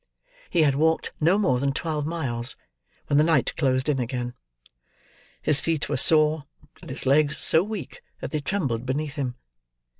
He had walked no more than twelve miles, when night closed in again. His feet were sore, and his legs so weak that they trembled beneath him.